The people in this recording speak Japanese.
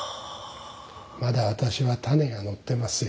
まだ私は種がのってますよ。